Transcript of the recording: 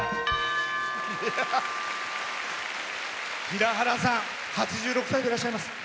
平原さん８６歳でいらっしゃいます。